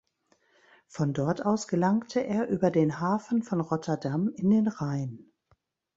Von dort aus gelangte er über den Hafen von Rotterdam in den Rhein.